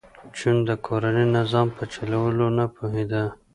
جون د کورني نظام په چلولو نه پوهېده